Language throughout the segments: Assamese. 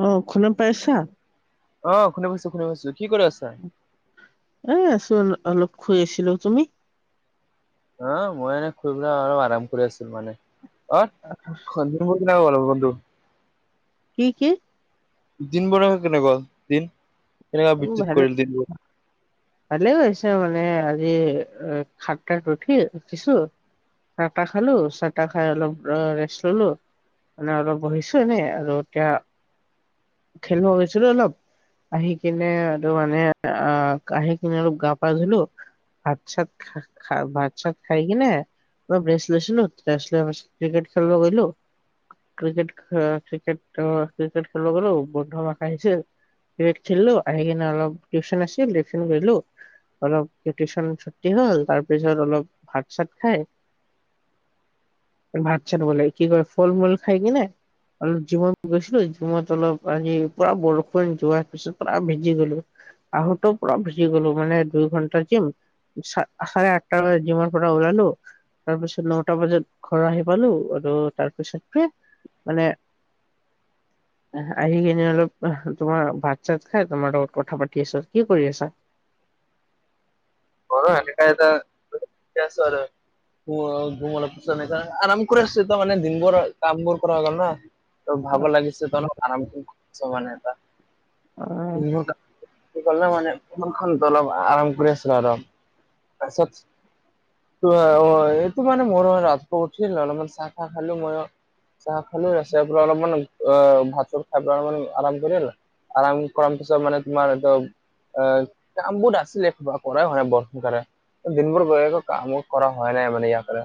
অ', শুনা পাইছা? অ', শুনা পাইছোঁ- শুনা পাইছোঁ কি কৰি আছা? এ আছোঁ অল অলপ শুই আছিলোঁ, তুমি? অ', মই এনে শুই পেলাই অলপ আৰাম কৰি আছিলোঁ মানে। অ আ খোজ [unintelligible] [unintelligible] গ'ল অ বন্ধু? কি-কি? দিনবোৰে কেনেকোৱা গ'ল, দিন? কেনেকোৱা মোৰ বিত্যুত ভালে কৰিলে দিনবোৰ? [inaudible] ভালে গৈছে মানে আজি এ সাতটাত উঠি, উঠিছোঁ চাহ তাহ খালোঁ, চাহ তাহ খাই অলপ ৰেষ্ট ললোঁ। মানে অলপ বহিছোঁ এনে আৰু এতিয়া খেলিব গৈছিলোঁ অলপ আহি কিনে আৰু মানে আহ আহি কিনে অলপ গা পা ধুলোঁ। ভাত চাত খা-খা ভাত চাত খাই কিনে অলপ ৰেষ্ট লৈছিলোঁ, ৰেষ্ট লোৱা পিছত ক্ৰিকেট খেলিব গলোঁ। ক্ৰিকেট অ, ক্ৰিকেট অ, ক্ৰিকেট খেলিব গ'লোঁ। বন্ধু মখা আহিছিল, ক্ৰিকট খেলিলোঁ, আহি কিনে অলপ টিউশ্যন আছিল, টিউশ্যন গলোঁ। অলপ টিউশ্যন ছুটি হ'ল, তাৰ পিছত অলপ ভাত চাত খাই ভাত চাত বোলে কি কৰে ফল মূল খাই কিনে অলপ জিমত গৈছিলোঁ, জিমত অলপ আজি পুৰা বৰষুণ যোৱাৰ পিছত পুৰা ভিজি গলোঁ। আহোতে পুৰা ভিজি গলোঁ মানে দুই ঘণ্টা জিম। চাৰে আঠটা বজাত জিমাৰ পৰা ওলালোঁ। তাৰপিছত নটা বজাত ঘৰ আহি পালোঁ আৰু তাৰপিছতে [unintelligible] মানে আহি কিনে অলপ তোমাৰ ভাত চাত খাই তোমাৰ লগত কথা পাতি আছোঁ, কি কৰি আছা? [unintelligible] [inaudible] [unintelligible] আৰাম কৰি আছোঁ এতিয়া মানে দিন বৰ কাম বোৰ কৰা হৈ গল ন। ভাগৰ লাগিছে ত অলপ আৰাম কৰিছোঁ মানে অ এতিয়া [unintelligible] [unintelligible] মানে [unintelligible] অলপ আৰাম কৰি আছিলোঁ আৰু। তাইছত অ, এইটো মানে মোৰ ৰাতিপুৱা উঠিল অলপমান চাহ তাহ খালোঁ মইয়ো। চাহ খালোঁ, তাছত [unintelligible] অলপমান অ ভাত চাত খাই পিনে অলপমান আৰাম কৰিল। আৰাম কৰাৰ পিছত মানে তোমাৰ এইটো অ কামবোৰ আছিলে কৰাই হোৱা নাই বৰ। [unintelligible] দিনবোৰ গৈ আক কামো কৰা হোৱাই নাই মানে ইয়াৰ পৰা।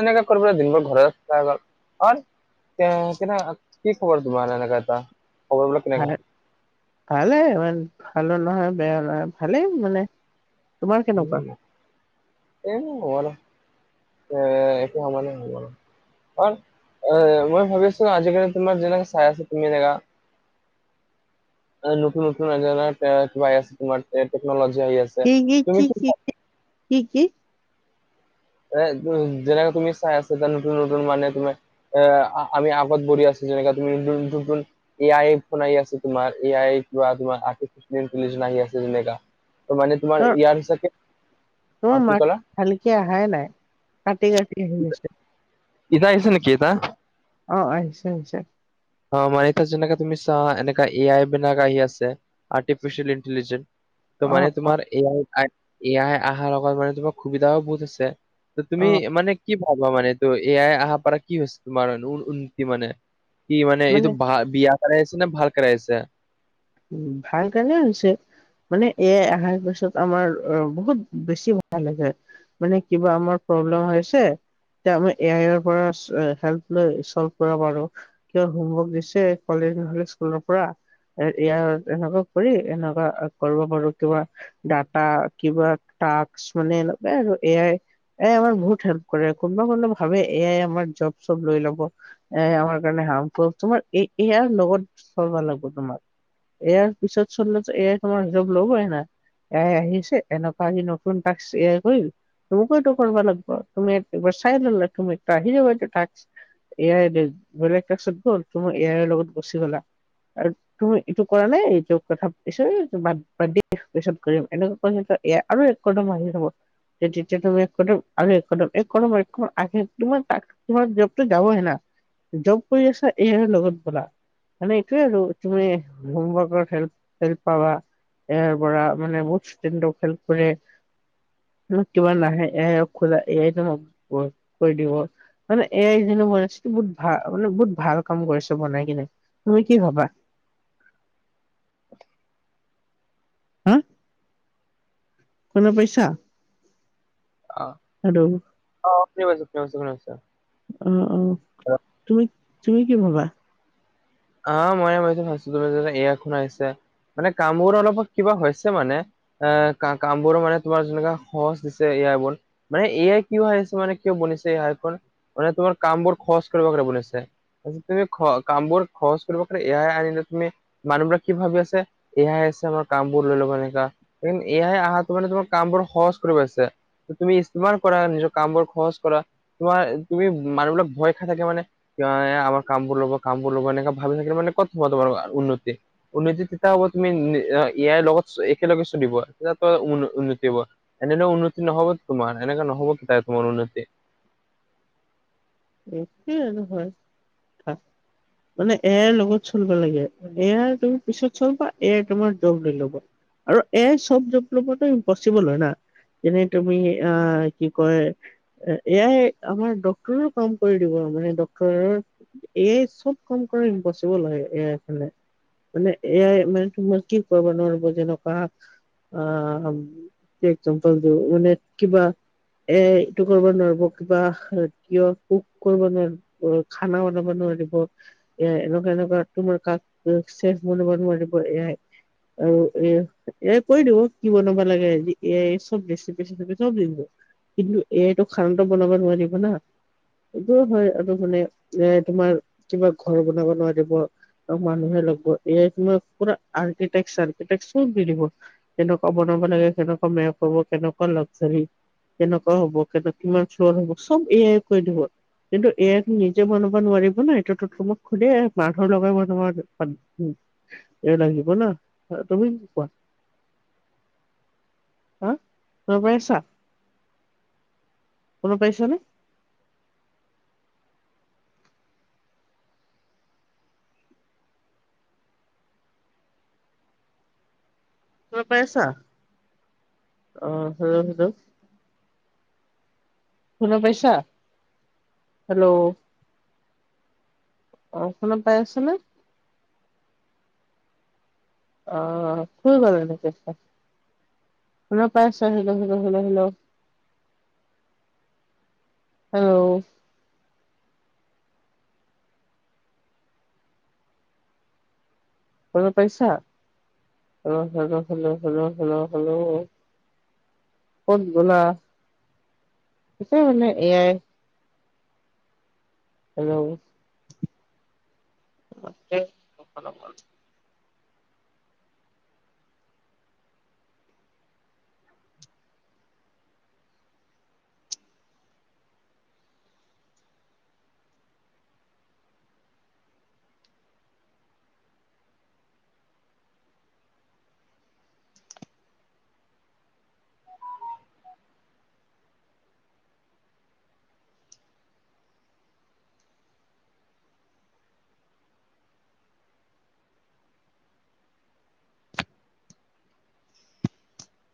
এনেকা কৰি পেলাই দিনবোৰ ঘৰে চাই গল [unintelligible] [unintelligible] কি খবৰ তোমাৰ এনেকা এটা খবৰবিলাক কেনেকা? ভালেই ইমান, ভালো নহয় বেয়াও নহয় ভালেই মানে। তোমাৰ কেনেকুৱা? এ হব ন এ এটো সমানে হব ন [unintelligible] এ মই ভাবিছোঁ আজিকালি তোমাৰ যেনেকে চাই আছে তুমি এনেগা [unintelligible] নতুন নতুন [unintelligible] আছে তোমাৰ টেকনলজি আহি আছে। তুমি কি কি-কি-কি-কি-কি-কি? এ যেনেকে তুমি চাই আছা ত নতুন-নতুন মানে তুমি [unintelligible] আমি আগত বহি আছে যেনেকে তুমি [unintelligible] এ আই ফোন আহি আছে তোমাৰ এ আইৰি কিবা তোমাৰ আৰ্টিফিচি়েল ইন্টেলিজেনচ আহি আছে যেণেকা। ত মানে তোমাৰ ত [unintelligible] অ কি কলা? ভালিকে অহাই নাই, কাটি-কাটি আহিছে। এতিয়া আহিছে নেকি এতিয়া? অ', আহিছে-আহিছে। অ', মানে যেনেকাে তুমি চা এনেকা এ আই বিন আহি আছে আৰ্টিফিচিয়েল ইণ্টেলিজেন্ঞ্চ। ত অ মানে অ তোমাৰ এ আ [unintelligible] এয়াই অহাৰ লগত মানে তোমাৰ সুবিধাও বহুত আছে। ত অ তুমি মানে কি ভাবা মানে ত এয়াই অহা পৰা কি হৈছে তোমাৰ উন্নতি মানে? কি মানে এইটো বিয়া কৰাই আহ আছে নে ভাল কৰা আহ আছে? [unintelligible] উম, ভাল কাৰনে হৈছে [unintelligible] মানে এাই অহাৰ পিছত আমাৰ বহুত বেছি ভাল [unintelligible] মানে কিবা আমাৰ প্ৰব্লেম হৈছে তেতিয়া আমি এ আইৰ পৰা হেল্প লৈ চল্ভ কৰিব পাৰোঁ। হোমৱৰ্ক দিছে কলেজ নহ'লে স্কুলৰ পৰা ইয়াত এনেকুৱা কৰি এনেকুৱা কৰিব পাৰোঁ কিবা ডাটা কিবা তাক্স মানে এনেকে আৰু এ আই এই আমাৰ বহুত হেল্প কৰে, কোনোবা- কোনোবা ভাৱে এ আই আমাৰ জব চব লৈ ল'ব। এ আমাৰ কাৰণে হাৰ্মফুল, তোমাৰ এ- এ আইৰ লগত চলবা লাগব তোমাৰ। এ আৰ পিছত চললে এ আই তোমাৰ জব ল'বয়ে না। এ আই আহিছে, এনেকুৱা সি নতুন তাকছ এ আই কৰিল। [unintelligible] এইটো কৰিব লাগব, তুমি একবাৰ চাই ল'লা তুমি [unintelligible] এ আই [unintelligible] ত' মই এ আইৰ লগত গুচি গ'লা, আৰু তুমি এইটো কৰা নাই, এইটো কথা পাতিছে, এইটো বাদ- বাদ দি পিছত কৰিম, এনেকু [unintelligible] এয়া আৰু এক কদম আহি যাব। যে-যেতিয়া তুমি এক কদম আৰু এক কদম- এক কদম আগে [unintelligible] তোমাৰ জবতো যাবহে না, জব কৰি আছা এ আইৰ লগত ব'লা, মানে এইটোয়ে আৰু। তুমি এই হোমৱৰ্কত হেল্প-হেল্প পাবা। এ আইৰ পৰা মানে বহুত ষ্টুডেণ্টক হেল্প কৰে। [unintelligible] কিবা নাহে এ আই খোলা [unintelligible] মানে এ আই যোনে বনাইছে বহুত ভাল মানে বহুত ভাল কাম কৰিছে বনাই কিনে, তুমি কি ভাবা। [inaudible] হম, শুনা পাইছা। অ', আৰু শুনি পাইছো, শুনি পাইছো-শুনি পাইছো। উম, উম, তুমি-তুমি কি ভাবা। অ', মই এনেকে ভাবিছো মানে এ [unintelligible] আহিছে, মানে কামবোৰ অলপমান কিবা হৈছে মানে। এ কা কাম বোৰো মানে তোমাৰ যেনেকা সহজ দিছে এয়া বোৰ। মানে এ আই কিয় আহিছে মানে কিয় বনিছে এ আই খন, মানে তোমাৰ কামবোৰ সহজ কৰিব কাৰনে বনিছে। আজিকালি খ কামবোৰ সহজ কৰিব কাৰনে এ আই আহিলে তুমি মানুহবিলাক কি ভাবে যে, এ আই আছে আমাৰ কামবোৰ লৈ ল'ব এনেকা। এই এ আই আহাটো মানে তোমাৰ কামবোৰ সহজ কৰিব আহিছে। ত' তুমি ইস্তেমাল কৰা, নিজৰ কামবোৰ সহজ কৰা। তোমাৰ তুমি মানুহবিলাক ভয় খাই থাকে মানে, এই আমাৰ কামবোৰ ল'ব- কামবোৰ ল'ব এনে ভাবি থাকিলে মানে ক'ত হ'ব তোমাৰ আ উন্নতি। উন্নতি তেতিয়া হ'ব তুমি এ আইৰ লগত একেলগে চলিব, তেতিয়া তোমাৰ উ-উন্নতি হ'ব। এনেদৰে উন্নতি নহ'ব তোমাৰ, এনেকে নহ'ব [unintelligible] তোমাৰ উন্নতি। একে আৰু হয়, [unintelligible] মানে এ আইৰ লগত চলিব লাগে। এ আইৰ তুমি পিছত চলবা, এ আই তোমাৰ জব লৈ ল'ব। আৰু এ আই চব জব ল'বটো ইম্পচিবল হয় না। যেনে তুমি আ কি কয়, এ-এ আই আমাৰ ডক্টৰৰ কাম কৰি দিব মানে ডক্তৰৰ এই চব কাম কৰা ইমপচিবল হয়, এ আইৰ কাৰনে। মানে এ আই মানে তোমাৰ কি কৰিব নোৱাৰা, যেনেকুৱা আ [unintelligible] মানে কিবা এ আই এইটো কৰিব নোৱাৰিব, কিবা কিয় কোক কৰিব নোৱাৰিব, খানা বনাব নোৱাৰিব। এ আই এনেকুৱা-এনেকুৱা তোমাৰ কাম ছেভ কৰিব নোৱাৰিব, এ আই আৰু এ- এ আই কৰি দিব, কি বনাব লাগে, এ আই চব‌ বেছি [unintelligible] দিব। কিন্তু এ আই টো খানাটো বনাব নোৱাৰিব না। এইটো হয় আৰু মানে এ আই তোমাৰ কিবা ঘৰ বনাব নোৱাৰিব। চব মানুহে ল'ব, এ আই তোমাক পুৰা আৰ্কিটেক্ট চাৰ্কিটেক্ট চব দি দিব। কেনেকুৱা বনাব লাগে, কেনেকুৱা মেপ হ'ব, কেনেকুৱা লগজাৰী। কেনেকুৱা হ'ব, কেনে কিমান ফ্লৰ হ'ব, চব এ আইয়ে কৈ দিব। কিন্তু এ আইটো নিজে বনাব নোৱাৰিব ন, এইটোটো তোমাক সুধে মানুহ লগাব [unintelligible] উম, এ লাগিব না, হা তুমি কোৱা। হা, শুনা পাই আছা। শুনা পাইছানে। শুনা পাই আছা, অ', হেল্ল', হেল্ল'। শুনা পাইছা, হেল্ল'। অ', শুনা পাই আছানে। অ', শুই গ'ল এনেকে তাই। শুনা পাই আছা, হেল্ল'-হেল্ল'-হেল্ল'--হেল্ল'। হেল্ল'। শুনা পাইছা, হেল্ল', হেল্ল'-হেল্ল'-হেল্ল'-হেল্ল'-হেল্ল'। ক'ত গ'লা, পিছে মানে এ আই হেল্ল', [unintelligible]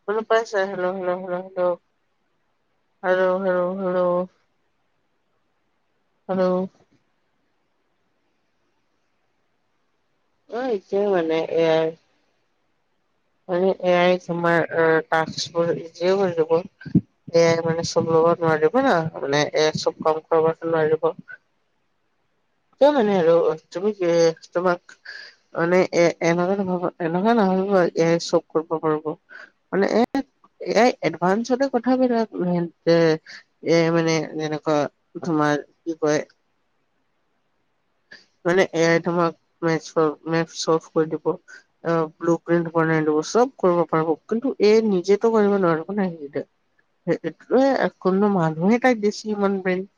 শুনা পাইছা, হেল্ল', হেল্ল'-হেল্ল'-হেল্ল'-হেল্ল'-হেল্ল'। হেল্ল'। অ', এইটোয়ে মানে এ আই মানে এ আই তোমাৰ অ টাস্কবোৰ ইজিও কৰি দিব। এ আই মানে চব ল'ব নোৱাৰিব না, মানে এ আই চব কাম কৰিবতো নোৱাৰিব। [unintelligible] মানে আৰু তুমি এ তোমাক মানে এ [unintelligible] এনেকুৱা নাভাবিব এ আইয়ে চব কৰিব পাৰিব। মানে এ আই এই এডভানচতে কথাবিলাক যে এ আই মানে যেনেকুৱা তোমাৰ কি কয় মানে এ আই তোমাক [unintelligible] চ'লভ কৰি দিব। অ', ব্লু প্ৰিন্ট বনাই ল'ব, চব কৰিব পাৰিব, কিন্তু এই নিজেতো কৰিব নোৱাৰিব না এনেকে। [unintelligible] সেই কোনো মানুহে তাই বেছি ইমান [unintelligible]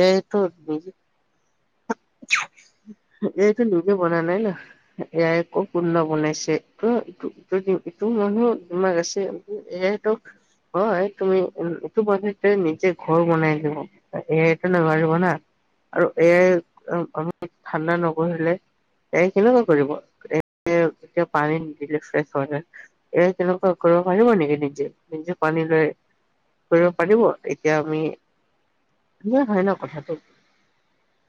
এ আইটো নিজে এইটো লোকে বনা নাই ন। এ আই ক'ৰ কোনোবা বনাইছে, [unintelligible] ইটো মানুহৰ দিমাগ আছে এ আইটোক হয়, তুমি এইটো বনাইছে, নিজে ঘৰ বনাই দিব। এ আইটো নালাগিব না, আৰু এ আই [unintelligible] ঠাণ্ডা নবঢ়ালে এ আই কেনেকুৱা কৰিব, এ এতিয়া পানী নিদিলে ফ্ৰেছ হয়হে এ আই তেনেকুৱা কৰিব পাৰিব নেকি নিজে- নিজে পানী লৈ কৰিব পাৰিব, এতিয়া আমি ক্লিয়াৰ হয় ন কথাটো।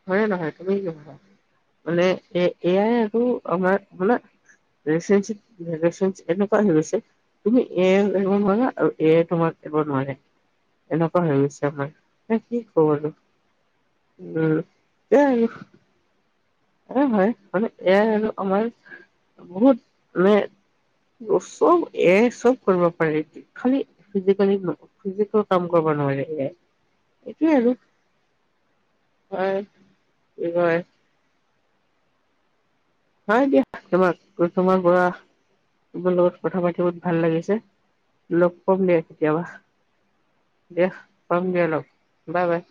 হয় নে নহয়, তুমি কি, মানে এ এয়াই আৰু আমাৰ মানে [unintelligible] [unintelligible] এনেকুৱা হৈ গৈছে। তুমি এ আইও ইৰিব নোৱাৰা আৰু এ আই তোমাক এৰিব নোৱাৰে। এনেকুৱা হৈ গৈছে আমাৰ, এ কি কম আৰু উম এয়াই আৰু হয়- হয়, মানে এ আই আৰু আমাৰ বহুত মানে চব এ আইৰে চব কৰিব পাৰি। খালি ফিজিকেলি ফিজিকেল কাম কৰিব নোৱাৰে এ আই। এটোৱে আৰু হয় কি কয় হয় দিয়া [unintelligible] তোমাৰ পৰা তোমাৰ লগত কথা পাতি বহুত ভাল লাগিছে, লগ পাম দিয়া কেতিয়াবা। দিয়া পাম দিয়া লগ, বাই- বাই।